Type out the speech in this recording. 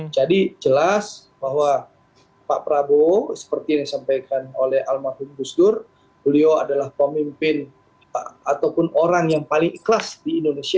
jadi jelas bahwa pak prabowo seperti yang disampaikan oleh al mahdudusdur beliau adalah pemimpin ataupun orang yang paling ikhlas di indonesia